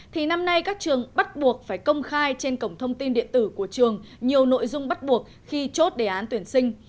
thì năm nay các trường bắt buộc phải công khai trên cổng thông tin điện tử của trường nhiều nội dung bắt buộc khi chốt đề án tuyển sinh